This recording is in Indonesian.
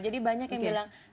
jadi banyak yang bilang